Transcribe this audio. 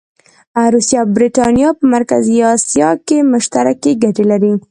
روسیه او برټانیه په مرکزي اسیا کې مشترکې ګټې لري.